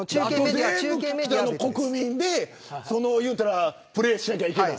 あと全部、北朝鮮の国民でプレーしなきゃいけない。